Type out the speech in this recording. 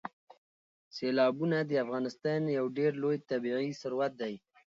سیلابونه د افغانستان یو ډېر لوی طبعي ثروت دی.